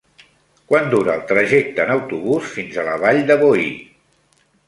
Quant dura el trajecte en autobús fins a la Vall de Boí?